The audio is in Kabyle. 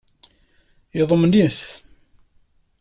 Yeḍmen-it.